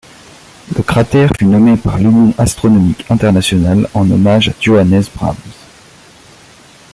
Le cratère fut nommé par l'Union astronomique internationale en hommage à Johannes Brahms.